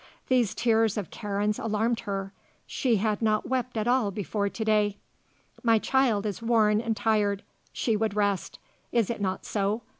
These tears of Karen's alarmed her. She had not wept at all before to day. "My child is worn and tired. She would rest. Is it not so?